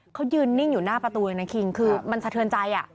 เขายืนนิ่งอยู่หน้าประตูเลยนะคิงคือมันสะเทือนใจ